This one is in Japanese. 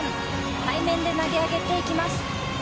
背面で投げ上げていきます。